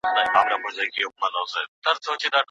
د کار پر وخت فکر باید یواځې کار ته وي.